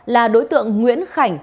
là đối tượng nguyễn khảnh